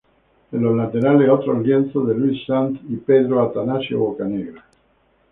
En los laterales, otros lienzos de Luis Sanz y Pedro Atanasio Bocanegra.